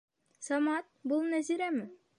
Самат, был Нәзирәме?